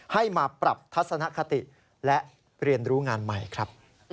ให้มาปรับทัศนคติและเรียนรู้งานใหม่ครับ